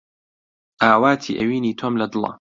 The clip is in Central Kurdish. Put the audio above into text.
ئاواتی ئەوینی تۆم لە دڵە